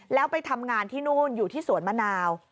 แล้วไปทำงานที่นู่นอยู่ที่สวนมะนาว